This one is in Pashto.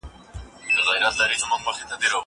هغه وويل چي مځکه ارزښت لري!!